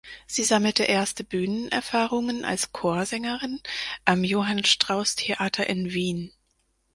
Sie sammelte erste Bühnenerfahrungen als Chorsängerin am Johann Strauß-Theater in Wien.